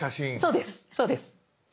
そうですそうです。